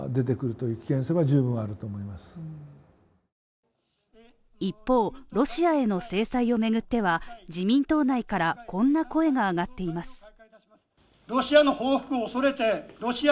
しかし一方、ロシアへの制裁を巡っては自民党内からこんな声が上がっています。